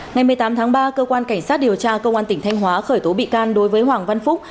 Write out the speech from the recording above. ngày một mươi tám tháng ba cơ quan cảnh sát điều tra công an tỉnh thanh hóa khởi tố bị can đối với hoàng văn phúc